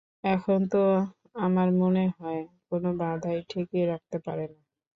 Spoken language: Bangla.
এখন তো আমার মনে হয়, কোনো বাধাই ঠেকিয়ে রাখতে পারে না।